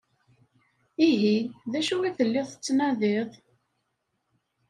Ihi? D acu i telliḍ tettnadiḍ?